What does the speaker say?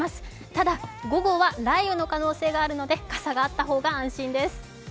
ただ午後は雷雨の可能性があるので傘があった方が安心です。